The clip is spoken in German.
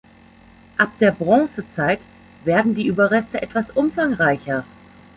Ab der Bronzezeit werden die Überreste etwas umfangreicher.